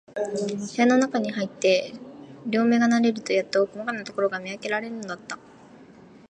部屋のなかへ入って、両眼が慣れるとやっと、こまかなところが見わけられるのだった。